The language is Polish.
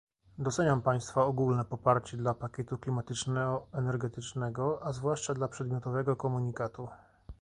Doceniam państwa ogólne poparcie dla pakietu klimatyczno-energetycznego, a zwłaszcza dla przedmiotowego komunikatu